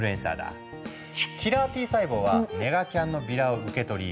キラーＴ細胞はネガキャンのビラを受け取り